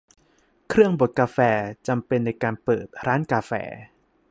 เครื่องบดกาแฟ จำเป็นในการเปิดร้านกาแฟ